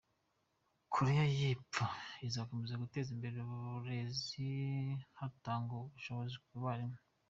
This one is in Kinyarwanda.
Koreya y’Epfo izakomeza guteza imbere uburezi hatangwa ubushobozi ku barimu.